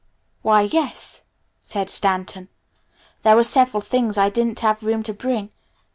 "Why yes," said Stanton. "There were several things I didn't have room to bring.